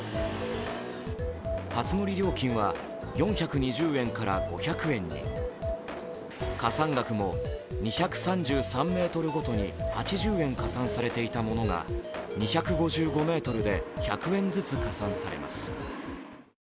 初乗り料金は、４２０円から５００円に。加算額も２３３ｍごとに８０円加算されていたものが２５５ｍで１００ずつ加算されます。